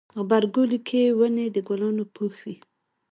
غبرګولی کې ونې د ګلانو پوښ وي.